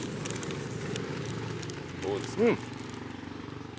・どうですか？